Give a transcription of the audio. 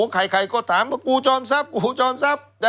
ใครก็ถามว่ากูจอมทรัพย์กูจอมทรัพย์